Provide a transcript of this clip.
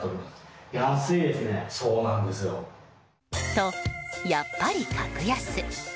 と、やっぱり格安。